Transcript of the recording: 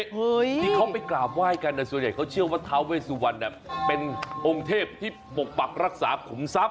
ที่เขาไปกราบไหว้กันส่วนใหญ่เขาเชื่อว่าท้าเวสุวรรณเป็นองค์เทพที่ปกปักรักษาขุมทรัพย